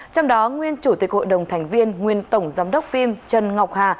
trong đó nguyên chủ tịch hội đồng thành viên nguyên tổng giám đốc phim trần ngọc hà